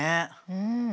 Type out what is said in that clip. うん。